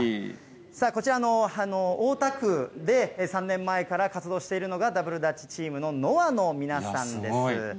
こちらの大田区で、３年前から活動しているのが、ダブルダッチチームのＮＯＡＨの皆さんです。